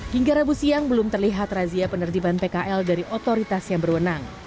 hingga rabu siang belum terlihat razia penertiban pkl dari otoritas yang berwenang